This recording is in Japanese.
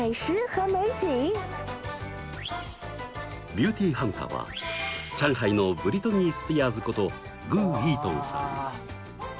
ビューティーハンターは上海のブリトニー・スピアーズこと顧逸童さん。